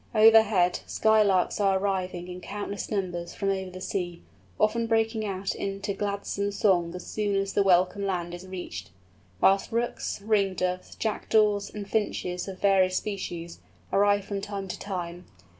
Overhead, Sky Larks are arriving in countless numbers from over the sea, often breaking out into gladsome song as soon as the welcome land is reached; whilst Rooks, Ring Doves, Jackdaws, and Finches of various species, arrive from time to time.